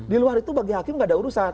di luar itu bagi hakim gak ada urusan